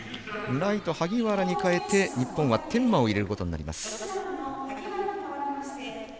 ライト萩原に代えて日本は天摩を入れることになります。